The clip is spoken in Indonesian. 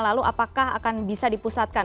lalu apakah akan bisa dipusatkan